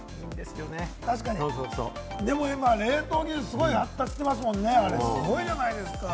でも今、冷凍ね、すごい発達してますもんね、すごいじゃないですか。